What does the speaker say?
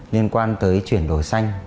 liên quan tới chuyển đổi xanh